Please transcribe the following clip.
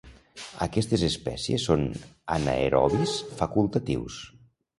Aquestes espècies són anaerobis facultatius.